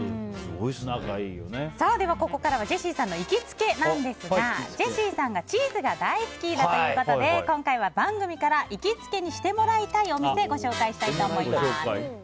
ではここからはジェシーさんの行きつけですがジェシーさんがチーズが大好きだということで今回は番組から行きつけにしてもらいたいお店をご紹介したいと思います。